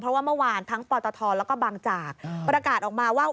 เพราะว่าเมื่อวานทั้งปตทแล้วก็บางจากประกาศออกมาว่า